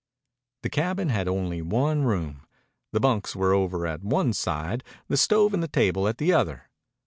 The cabin had only one room. The bunks were over at one side, the stove and table at the other.